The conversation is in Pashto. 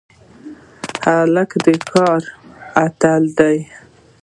هلک د کار اتل دی.